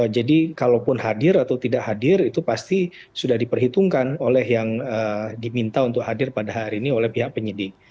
jadi kalau pun hadir atau tidak hadir itu pasti sudah diperhitungkan oleh yang diminta untuk hadir pada hari ini oleh pihak penyidik